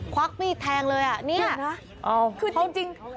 ควักมีแทงเลยนี่เดี๋ยวนะ